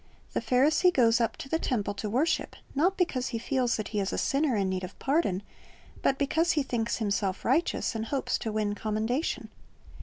The Pharisee goes up to the temple to worship, not because he feels that he is a sinner in need of pardon, but because he thinks himself righteous, and hopes to win commendation.